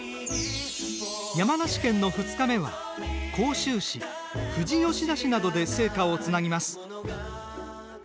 山梨県の２日目は甲州市、富士吉田市などで聖火をつなぎます。